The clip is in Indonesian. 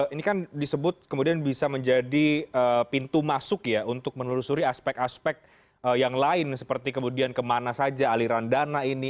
ini kan disebut kemudian bisa menjadi pintu masuk ya untuk menelusuri aspek aspek yang lain seperti kemudian kemana saja aliran dana ini